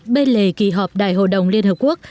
bên lề kỳ họp đại hội đồng liên hợp quốc